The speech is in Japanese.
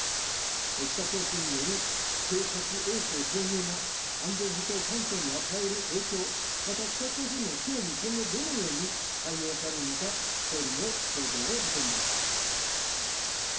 北朝鮮による偵察衛星投入が安全保障環境に与える影響、また北朝鮮の脅威に今後、どのように対応されるのか、総理の答弁を求めます。